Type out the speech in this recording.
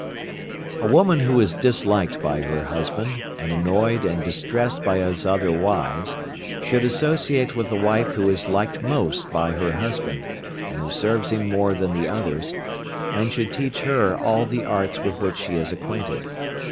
A woman who is disliked by her husband, and annoyed and distressed by his other wives, should associate with the wife who is liked most by her husband, and who serves him more than the others, and should teach her all the arts with which she is acquainted.